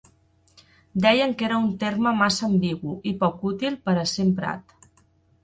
Deien que era un terme massa ambigu i poc útil per a ser emprat.